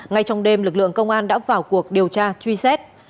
ngay trong đêm lực lượng công an đã vào cuộc điều tra truy xét